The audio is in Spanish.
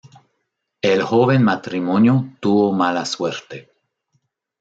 El joven matrimonio tuvo mala suerte.